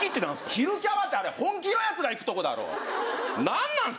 昼キャバって本気ねえやつが行くところだろ。